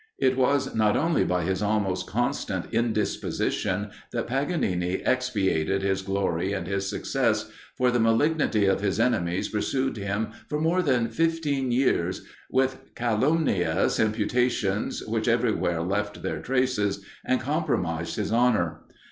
It was not only by his almost constant indisposition that Paganini expiated his glory and his success, for the malignity of his enemies pursued him for more than fifteen years with calumnious imputations, which everywhere left their traces, and compromised his honour.